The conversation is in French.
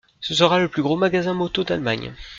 Ce sera le plus gros magasin moto d’Allemagne.